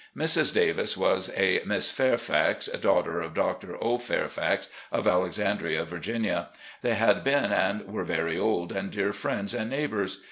Mrs. Davis was a Miss Fairfax, daughter of Dr. O. Fair fax, of Alexandria, Virginia. They had been and were very old and dear friends and neighbours.